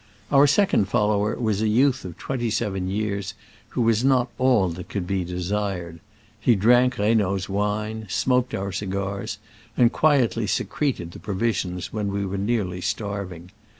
Our second follower was a youth of twenty seven years, who was not all that could be desired. He drank Rey naud's wine, smoked our cigars, and quietly secreted the provisions when we were nearly starving.